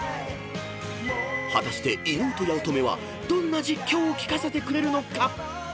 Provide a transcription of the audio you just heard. ［果たして伊野尾と八乙女はどんな実況を聞かせてくれるのか］